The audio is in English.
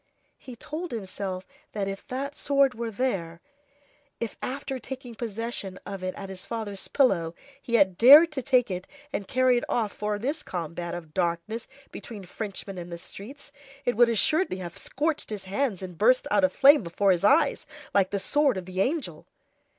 He told himself that if that sword were there, if after taking possession of it at his father's pillow, he had dared to take it and carry it off for this combat of darkness between Frenchmen in the streets, it would assuredly have scorched his hands and burst out aflame before his eyes, like the sword of the angel!